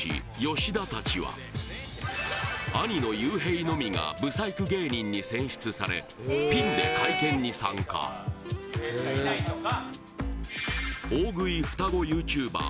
吉田たちは兄のゆうへいのみがブサイク芸人に選出されピンで会見に参加大食い双子ＹｏｕＴｕｂｅｒ